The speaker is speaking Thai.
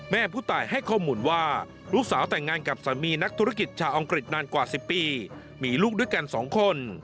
แม่ผู้ตายให้ข้อมูลว่าลูกสาวแต่งงานกับสามีนักธุรกิจชาวอังกฤษนานกว่า๑๐ปีมีลูกด้วยกัน๒คน